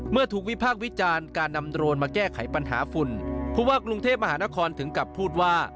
เมื่อถูกวิพากษ์วิจารณ์การนำโดรนมาแก้ไขปัญหาฝุ่นผู้ว่ากรุงเทพมหานครถึงกับพูดว่า